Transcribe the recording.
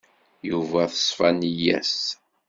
Yuba teṣfa nneyya-s.